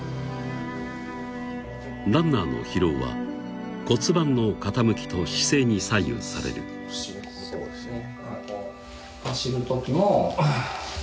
ランナーの疲労は骨盤の傾きと姿勢に左右されるそうですね